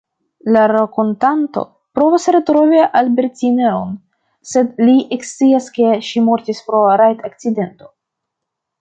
La rakontanto provas retrovi Albertine-on, sed li ekscias ke ŝi mortis pro rajd-akcidento.